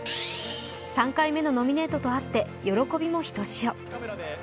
３回目のノミネートとあって喜びもひとしお。